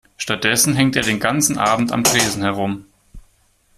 Stattdessen hängt er den ganzen Abend am Tresen herum.